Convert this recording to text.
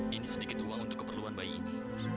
ini sedikit uang untuk keperluan bayi ini